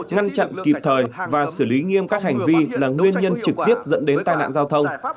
ngăn chặn kịp thời và xử lý nghiêm các hành vi là nguyên nhân trực tiếp dẫn đến tai nạn giao thông